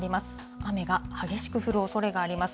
雨が激しく降るおそれがあります。